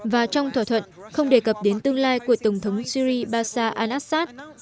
và trong thỏa thuận không đề cập đến tương lai của tổng thống syri bashar al assad